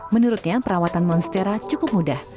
menurutnya perawatan monstera cukup mudah